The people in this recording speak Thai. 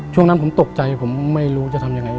ช่วงนั้นผมตกใจผมไม่รู้จะทำยังไง